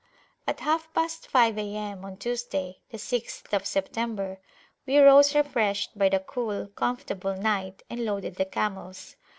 At half past five A.M. on Tuesday, the 6th of September, we rose refreshed by the cool, comfortable night, and loaded the camels.